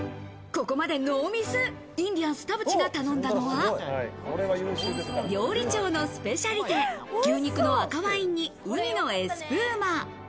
ここまでノーミス、インディアンス・田渕が頼んだのは、料理長のスペシャリテ、牛肉の赤ワイン煮うにのエスプーマ。